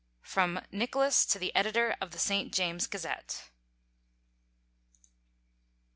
From Nicholas to the Editor of the St. James's Gazette.